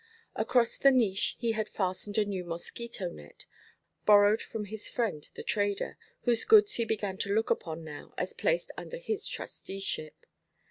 Across the niche he had fastened a new mosquito net, borrowed from his friend the trader, whose goods he began to look upon now as placed under his trusteeship.